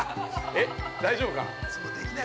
えっ、大丈夫か。